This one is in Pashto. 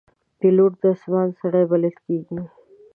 پیلوټ د آسمان سړی بلل کېږي.